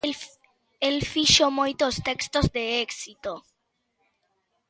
El fixo moitos textos de éxito.